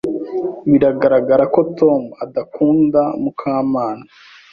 Biragaragara ko Tom adakunda Mukamana.